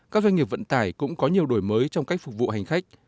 các doanh nghiệp vận tải cũng có nhiều đổi mới trong cách phục vụ hành khách